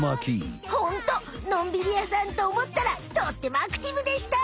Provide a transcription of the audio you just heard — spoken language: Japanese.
ホントのんびりやさんとおもったらとってもアクティブでした！